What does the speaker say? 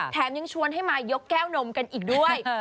ยังชวนให้มายกแก้วนมกันอีกด้วย